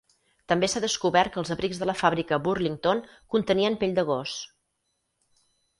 També s'ha descobert que els abrics de la fàbrica Burlington contenien pell de gos.